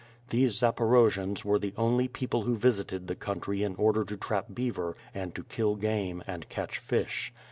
These Zaporojians were the only people who visited the country in order to trap beaver, and to kill game, and catch fish.